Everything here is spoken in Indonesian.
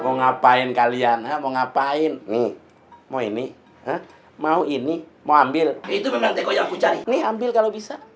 mau ngapain kalian mau ngapain nih mau ini mau ini mau ambil itu